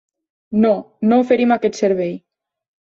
No, no oferim aquest servei.